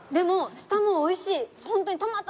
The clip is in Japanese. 下もおいしい。